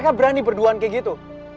mereka berani berduaan kayak gitu